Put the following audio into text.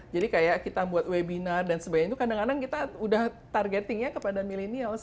jadi kayak kita buat webinar dan sebagainya itu kadang kadang kita udah targetingnya kepada millennials